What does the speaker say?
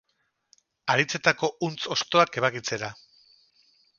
Haritzetako huntz hostoak ebakitzera.